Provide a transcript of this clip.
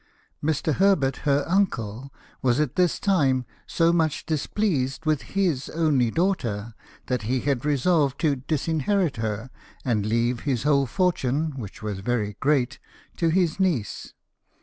Mr. Herbert, her uncle, was at this time so much dis pleased with his only daughter, that he had resolved to disinherit her, and leave his whole fortune, which was very great, to his niece.